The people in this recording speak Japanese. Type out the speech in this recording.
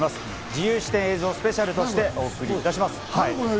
自由視点映像スペシャルとしてお送りいたします。